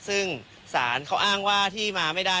ซึ่งศาลเขาอ้างว่าที่มาไม่ได้